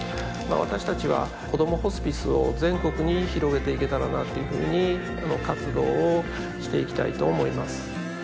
私達はこどもホスピスを全国に広げていけたらなというふうに活動をしていきたいと思います